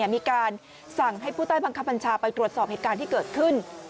มีการสั่งให้ผู้ใต้บังคับบัญชาไปตรวจสอบเหตุการณ์ที่เกิดขึ้น